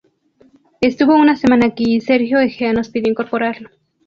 Estuvo una semana aquí y Sergio Egea nos pidió incorporarlo"".